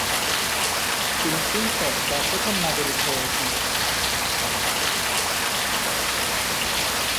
তিনি প্রিন্সপ বা "প্রথম নাগরিক" হয়ে ওঠেন।